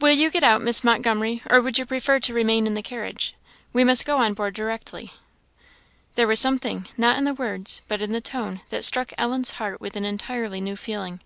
"Will you get out, Miss Montgomery, or would you prefer to remain in the carriage? We must go on board directly." There was something, not in the words, but in the tone, that struck Ellen's heart with an entirely new feeling.